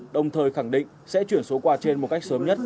đồng thời khẳng định sẽ chuyển số quà trên một cách sớm nhất